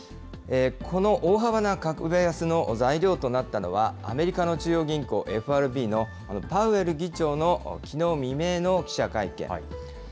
この大幅な株安の材料となったのは、アメリカの中央銀行・ＦＲＢのパウエル議長のきのう未明の記者会見。